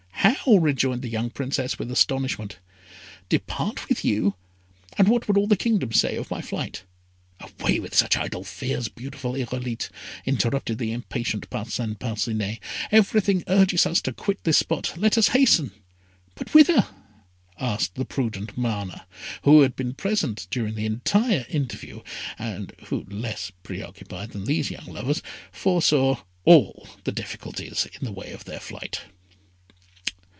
"How!" rejoined the young Princess with astonishment. "Depart with you! And what would all the kingdom say of my flight?" "Away with such idle fears, beautiful Irolite," interrupted the impatient Parcin Parcinet, "everything urges us to quit this spot. Let us hasten " "But whither?" asked the prudent Mana, who had been present during the entire interview, and who, less pre occupied than these young lovers, foresaw all the difficulties in the way of their flight.